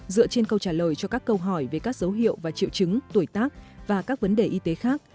dựa trên câu trả lời cho các câu hỏi về các dấu hiệu và triệu chứng tuổi tác và các vấn đề y tế khác